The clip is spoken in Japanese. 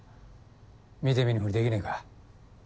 見て見ぬふりできねぇか。